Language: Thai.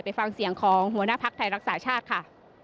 ฟังเสียงของหัวหน้าภักดิ์ไทยรักษาชาติค่ะ